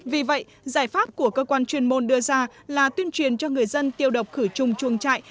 vì vậy giải pháp của cơ quan chuyên môn đưa ra là tuyên truyền cho người dân tiêu độc khử trùng chuồng trại